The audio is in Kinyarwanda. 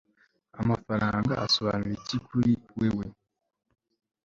amafaranga asobanura iki kuri wewe